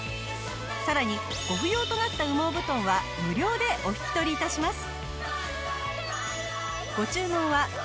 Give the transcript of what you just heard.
さらにご不要となった羽毛布団は無料でお引き取り致します。